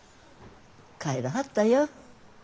帰らはったよ。